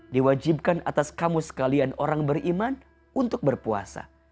diwajibkan atas kamu sekalian orang beriman untuk berpuasa